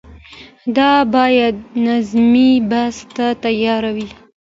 دا باید نظري بحث ته تیارې وي